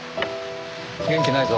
元気ないぞ。